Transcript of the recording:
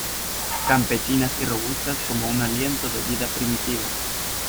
campesinas y robustas como un aliento de vida primitiva.